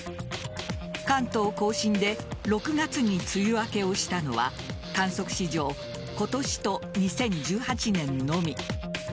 関東甲信で６月に梅雨明けをしたのは観測史上、今年と２０１８年のみ。